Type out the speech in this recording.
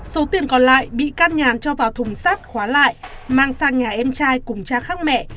số tiền còn lại bị can nhàn cho vào thùng sát khóa lại mang sang nhà em trai cùng cha khác mẹ